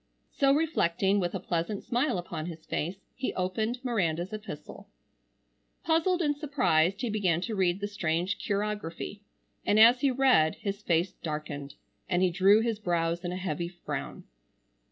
So reflecting, with a pleasant smile upon his face, he opened Miranda's epistle. Puzzled and surprised he began to read the strange chirography, and as he read his face darkened and he drew his brows in a heavy frown.